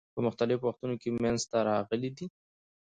په مختلفو وختونو کې منځته راغلي دي.